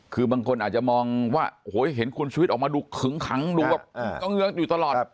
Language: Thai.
คือบางคนอาจจะมองว่าโอ้โหเห็นคุณชีวิตออกมาดูขึงขังดูแบบก็เงือกอยู่ตลอด